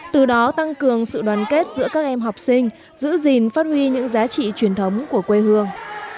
từ đó tăng cường sự đoàn kết giữa các em học sinh giữ gìn phát huy những giá trị truyền thống của quê hương